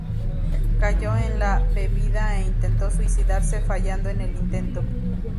Cayó en la bebida e intentó suicidarse fallando en el intento.